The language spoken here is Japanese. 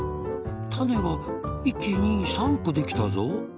たねが１２３こできたぞ。